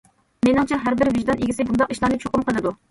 مېنىڭچە، ھەر بىر ۋىجدان ئىگىسى بۇنداق ئىشلارنى چوقۇم قىلىدۇ.